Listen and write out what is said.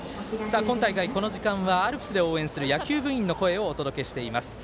今大会、この時間はアルプスで応援する野球部員の声をお届けします。